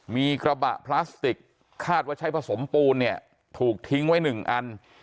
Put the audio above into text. มีกระบะพลาสติกคาดว่าใช้ผสมปูนเนี่ยถูกทิ้งไว้๑อัน